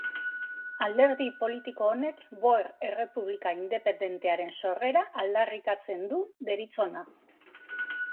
Alderdi politiko honek Boer errepublika independentearen sorrera aldarrikatzen du deritzona.